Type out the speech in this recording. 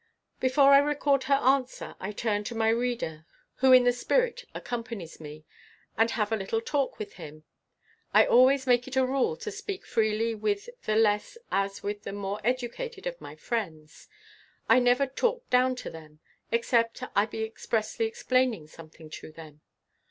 Before I record her answer, I turn to my reader, who in the spirit accompanies me, and have a little talk with him. I always make it a rule to speak freely with the less as with the more educated of my friends. I never talk down to them, except I be expressly explaining something to them.